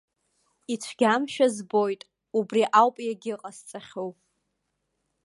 Ицәгьамшәа збоит, убри ауп иагьыҟасҵахьоу.